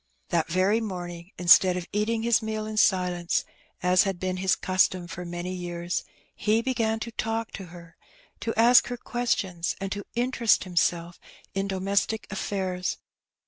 That very morning, instead of eating his meal in silence, as had been his custom for many years, he began to talk to her, to ask her ques tions, and to interest himself in domestic affairs.